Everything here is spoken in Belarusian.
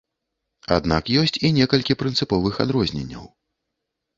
Аднак ёсць і некалькі прынцыповых адрозненняў.